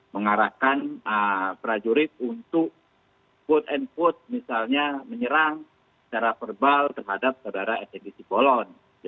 mengarahkan prajurit untuk put and put misalnya menyerang secara verbal terhadap saudara fnb cipolon